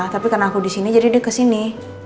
tapi karena aku disini jadi dia kesini